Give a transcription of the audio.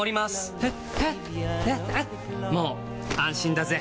もう安心だぜ！